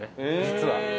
実は。